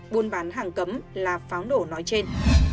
buôn bán hàng cấm là pháo nổ nói trên